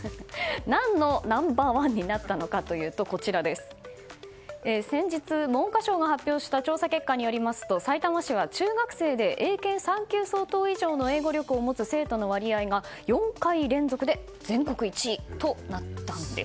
何のナンバー１になったのかというと先日、文科省が発表した調査結果によりますとさいたま市は中学生で英検３級相当以上の英語力を持つ生徒の割合が４回連続で全国１位となったんです。